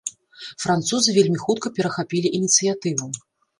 Французы вельмі хутка перахапілі ініцыятыву.